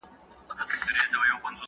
د علم پر مټ د راتلونکي لپاره پلان جوړ کړئ.